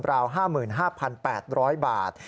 ราว๕๕๘๐๐บาท